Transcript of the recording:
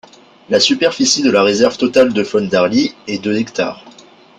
La superficie de la réserve totale de faune d'Arly est de hectares.